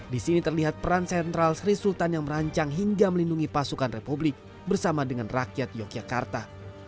di sini terlihat peran sentral sri sultan yang merancang hingga melindungi pasukan republik bersama dengan rakyat yogyakarta